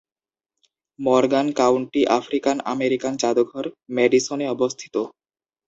Morgan county African American জাদুঘর ম্যাডিসনে অবস্থিত।